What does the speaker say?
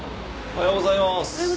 おはようございます。